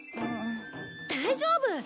大丈夫！